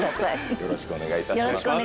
よろしくお願いします。